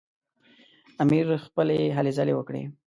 امیر خپلې هلې ځلې وکړې.